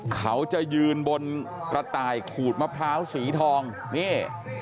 เขาจะยืนบนกระต่ายขูดมะพร้าวสีทองนี่